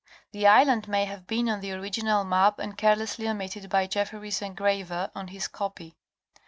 The island may have been on the original map and care lessly omitted by Jefferys' engraver on his copy.